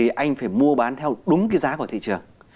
thì anh phải mua bán theo đúng cái giá của thị trường